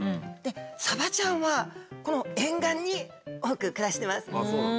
サバちゃんはこの沿岸に多く暮らしてます。